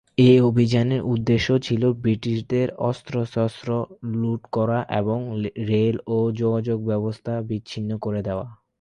এই অভিযানের উদ্দেশ্য ছিলো ব্রিটিশদের অস্ত্রশস্ত্র লুট করা এবং রেল ও যোগাযোগ ব্যবস্থা বিচ্ছিন্ন করে দেয়া।